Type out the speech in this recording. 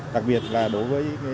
đặc biệt là đối với